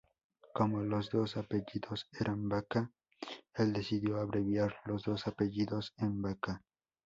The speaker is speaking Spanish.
Como los dos apellidos eran Vaca, el decidió abreviar los dos apellidos en Baca.